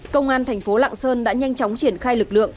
công an thành phố lạng sơn đã nhanh chóng triển khai lực lượng